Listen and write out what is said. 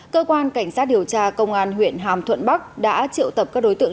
cơ quan cảnh sát điều tra công an huyện hàm thuận bắc đã triệu tập các đối tượng